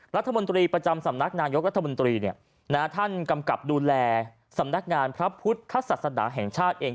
รัฐมนตรีประจำสำนักนายกรัฐมนตรีท่านกำกับดูแลสำนักงานพระพุทธศาสนาแห่งชาติเอง